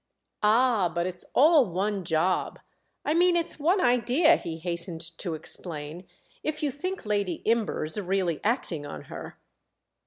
"Ah, but it's all one Job! I mean it's one idea," he hastened to explain—"if you think Lady Imber's really acting on her."